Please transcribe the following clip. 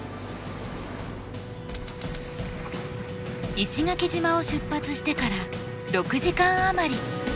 石垣島を出発してから６時間余り。